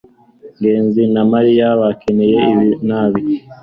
ngenzi na mariya bakeneye ibi nabi